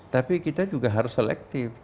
tapi kita juga harus selektif